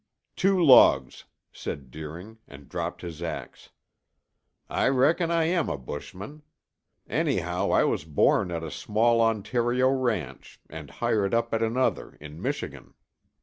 "Two logs," said Deering and dropped his ax. "I reckon I am a bushman. Anyhow I was born at a small Ontario ranch, and hired up at another in Michigan."